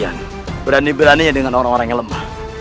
ya berani beraninya dengan orang orang yang lemah